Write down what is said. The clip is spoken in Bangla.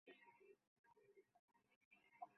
জ্যোতিবাবু হতদরিদ্রের মধ্যে পড়েন না।